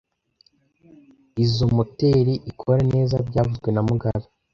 Izoi moteri ikora neza byavuzwe na mugabe